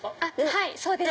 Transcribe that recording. はいそうですね。